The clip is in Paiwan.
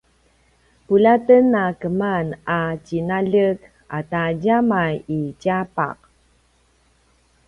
puljaten a keman a tjinaljek ata djamai i tjapaq